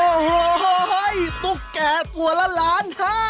โอ้โหตุ๊กแก่ตัวละล้านห้า